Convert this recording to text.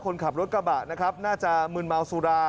คนขับรถกระบะนะครับน่าจะมืนเมาสุรา